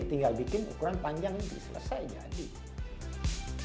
tinggal bikin ukuran panjang ini selesai jadi